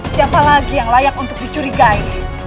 siapa lagi yang layak untuk dicurigai